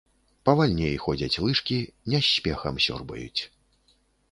Павальней ходзяць лыжкі, не з спехам сёрбаюць.